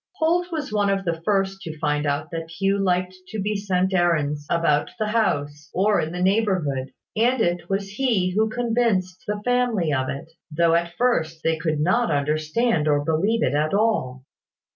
Holt was one of the first to find out that Hugh liked to be sent errands about the house, or in the neighbourhood; and it was he who convinced the family of it, though at first they could not understand or believe it at all.